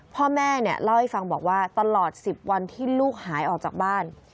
พ่อแม่เนี่ยเล่าให้ฟังบอกว่าตลอด๑๐วันที่ลูกหายออกจากบ้าน